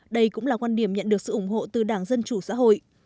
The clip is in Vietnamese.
đây cũng là quan điểm nhận được sự ủng hộ từ đảng dân chủ xã hội